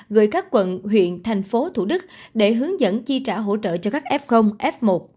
gửi các quận huyện thành phố thủ đức để hướng dẫn chi trả hỗ trợ cho các f f một